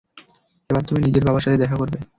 এবার তুমি নিজের বাবার সাথে দেখা করবে!